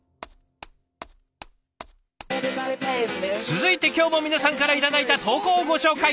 続いて今日も皆さんから頂いた投稿をご紹介